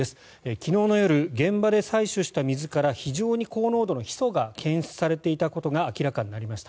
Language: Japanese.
昨日の夜、現場で採取した水から非常に高濃度のヒ素が検出されていたことが明らかになりました。